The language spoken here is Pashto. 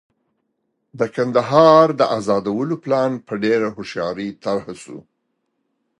د کندهار د ازادولو پلان په ډېره هوښیارۍ طرح شو.